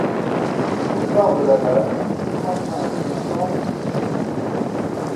Boulevard de Laval, trente-cinq, cinq cents Vitré